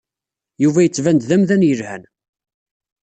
Yuba yettban-d d amdan yelhan.